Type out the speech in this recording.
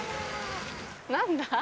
何だ？